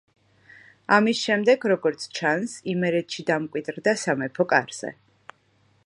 ამის შემდეგ, როგორც ჩანს, იმერეთში დამკვიდრდა სამეფო კარზე.